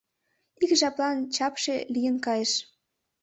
Ик жаплан чапше лийын кайыш.